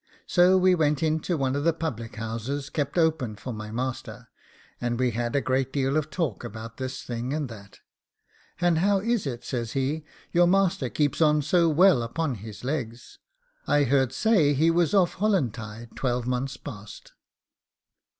So we went into one of the public houses kept open for my master; and we had a great deal of talk about this thing and that. 'And how is it,' says he, 'your master keeps on so well upon his legs? I heard say he was off Holantide twelvemonth past.